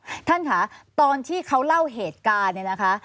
ท่านค่ะตอนที่เขาเล่าเหตุการณ์เนี่ยนะคะ